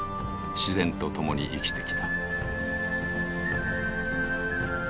自然と共に生きてきた。